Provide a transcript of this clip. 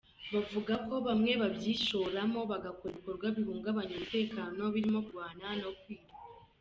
Bavuga ko bamwe babyishoramo bagakora ibikorwa bihungabanya umutekano birimo kurwana no kwiba.